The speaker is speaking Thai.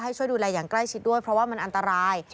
ช่วยดูแลอย่างใกล้ชิดด้วยเพราะว่ามันอันตราย